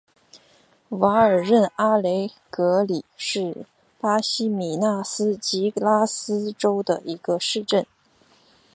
瓦尔任阿雷格里是巴西米纳斯吉拉斯州的一个市镇。